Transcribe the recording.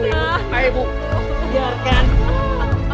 jangan pak ini anak kita ibu